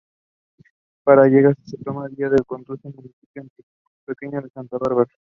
Para llegar se toma la vía que conduce al municipio antioqueño de Santa Bárbara.